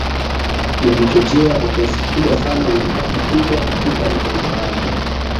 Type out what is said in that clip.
Yamechochea kwa kiasi kikubwa sana uwekezaji mkubwa katika mataifa haya